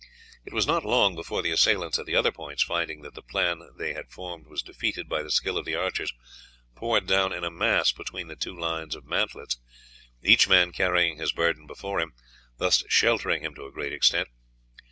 It was not long before the assailants at the other points, finding that the plan they had formed was defeated by the skill of the archers, poured down in a mass between the two lines of mantlets, each man carrying his burden before him, thus sheltering him to a great extent.